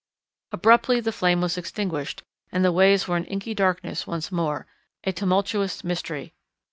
Abruptly the flare was extinguished and the ways were an inky darkness once more, a tumultuous mystery.